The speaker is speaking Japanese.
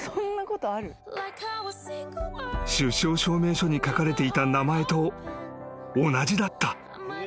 ［出生証明書に書かれていた名前と同じだった］